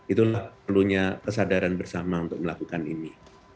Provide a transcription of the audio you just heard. itulah perlunya kesadaran bersama untuk melakukan ini